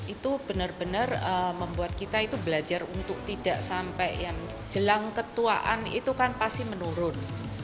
itu benar benar membuat kita belajar untuk tidak sampai yang jelang ketuaan itu kan pasti menurun